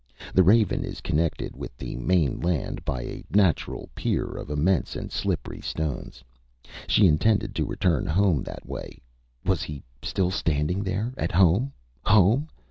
The Raven is connected with the main land by a natural pier of immense and slippery stones. She intended to return home that way. Was he still standing there? At home. Home!